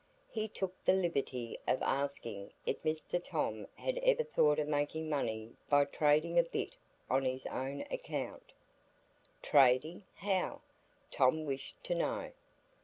He took the liberty of asking if Mr Tom had ever thought of making money by trading a bit on his own account. Trading, how? Tom wished to know.